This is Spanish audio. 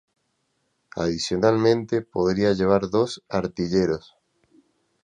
Adicionalmente, podía llevar dos artilleros.